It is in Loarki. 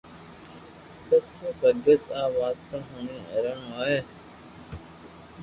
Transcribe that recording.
پسي ڀگت آ واتون ھوڻين حيرون ھوئي